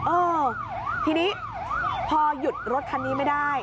เออทีนี้พอหยุดรถคันนี้ไม่ได้